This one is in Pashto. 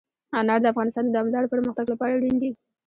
انار د افغانستان د دوامداره پرمختګ لپاره اړین دي.